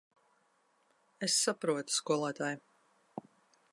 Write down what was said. Es saprotu, skolotāj.